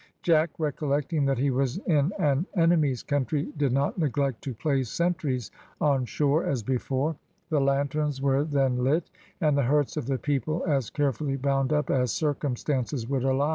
Jack, recollecting that he was in an enemy's country, did not neglect to place sentries on shore as before. The lanterns were then lit, and the hurts of the people as carefully bound up as circumstances would allow.